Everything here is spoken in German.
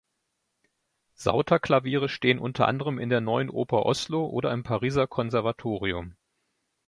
Sauter-Klaviere stehen unter anderem in der Neuen Oper Oslo oder im Pariser Konservatorium.